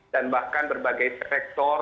dan bahkan berbagai sektor